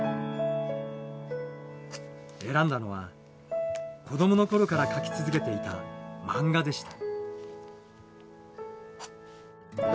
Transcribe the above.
選んだのは子供の頃から描き続けていた漫画でした。